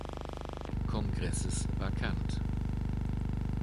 Kongresses vakant.